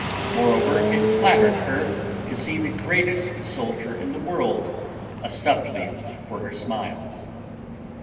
Moreover, it flattered her to see the greatest soldier in the world a suppliant for her smiles.